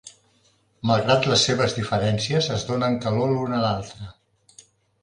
Malgrat les seves diferències, es donen calor l'un a l'altre.